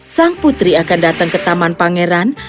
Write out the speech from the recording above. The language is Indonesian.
sang putri akan datang ke taman pangeran